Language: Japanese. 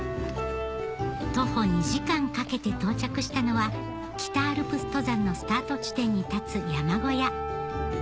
徒歩２時間かけて到着したのは北アルプス登山のスタート地点に立つ山小屋